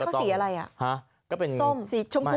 ตอนนี้เขาสีอะไร